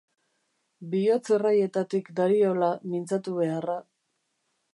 Bihotz-erraietatik dariola mintzatu beharra.